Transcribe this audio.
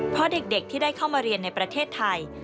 เพราะเด็กที่ได้เข้ามาเรียนในประเทศไทย